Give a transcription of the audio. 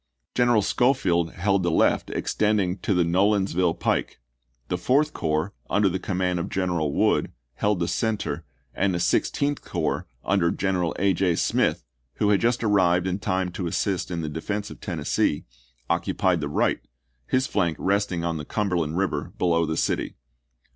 General Schoneld held the left extending to the Nolensville pike ; the Fourth Corps, under the command of General Wood, held the center, and the Sixteenth Corps under General A. J. Smith, who had just arrived in time to assist in the defense of Tennessee, occu pied the right, his flank resting on the Cumberland River below the city.